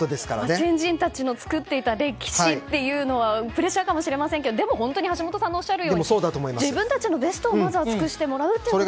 先人たちの作ってきた歴史というのはプレッシャーかもしれませんがでも本当に橋下さんのおっしゃるように自分たちのベストをまずは尽くしてもらうことが。